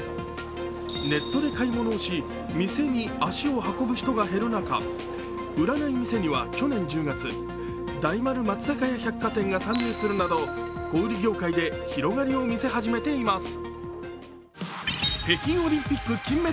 ネットで買い物をし、店に足を運ぶ人が減る中売らない店には去年１０月、大丸松坂屋百貨店が参入するなど小売業界で広がりを見せ始めています。